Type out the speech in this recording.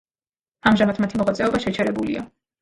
ამჟამად მათი მოღვაწეობა შეჩერებულია.